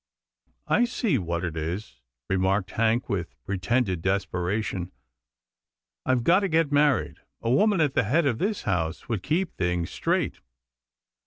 " I see what it is," remarked Hank with pre tended desperation, " I've got to get married. A woman at the head of this house would keep things straight.